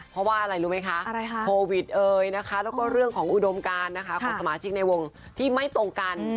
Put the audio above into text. เพราะว่าอะไรรู้ไหมคะโควิดเอ่ยนะคะแล้วก็เรื่องของอุดมการนะคะของสมาชิกในวงที่ไม่ตรงกัน